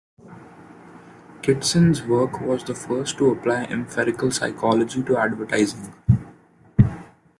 Kitson's work was the first to apply empirical psychology to advertising.